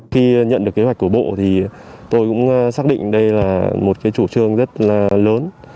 khi nhận được kế hoạch của bộ thì tôi cũng xác định đây là một cái chủ trương rất là lớn